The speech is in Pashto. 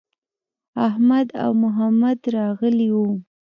احمد او محمد راغلي وو.